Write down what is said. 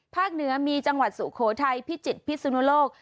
ภาคเหนือมีจังหวัดสุโครไทยพิจิตรพิษนุโลก